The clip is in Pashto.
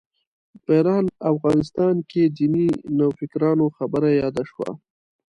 په ایران افغانستان کې دیني نوفکرانو خبره یاده شوه.